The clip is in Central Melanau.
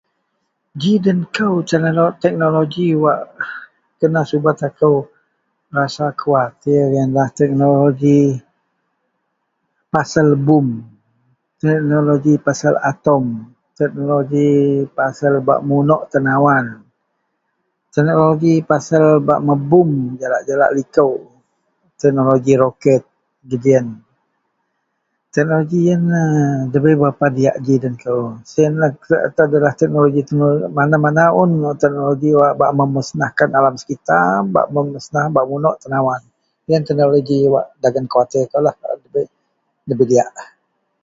ji den kou tekno teknologi wak kena subet akou rasa kahwatir ienlah teknologi pasal bom, teknologi pasel atom, teknologi pasel bak munuk tenawan, teknologi pasel bak mebom jalak-jalak liko, teknologi roket geji ien, teknologi ienlah a dabei berapa diyak den kou, siyenlah.. [unintelligible] teknologi-teknologi mana-mana un teknologi wak bak memusnah alam sekitar bak memusnah bak memunuk tenawan, yen teknologi wak dagen kawatir koulah wak dek debei diyak